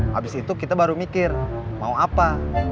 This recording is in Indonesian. habis itu kita baru mikir mau apa